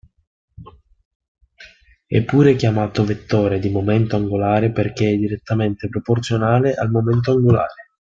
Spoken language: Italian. È pure chiamato vettore di momento angolare perché è direttamente proporzionale al momento angolare.